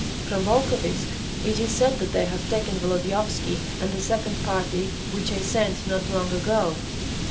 "From Volkovysk. It is said that they have taken Volodyovski and the second party which I sent not long ago."